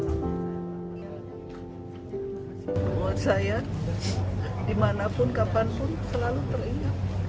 buat saya dimanapun kapanpun selalu teringat